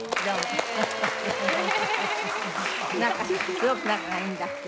すごく仲がいいんだって。